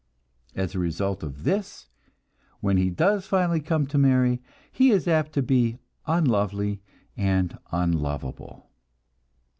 As a result of this, when he does finally come to marry, he is apt to be unlovely and unlovable.